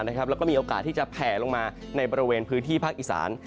แล้วก็มีโอกาสที่จะแผ่ลงมาในบริเวณพื้นที่ภาคอีสาน